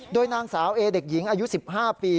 โดยนางสาวเอเด็กหญิงอายุ๑๕ปี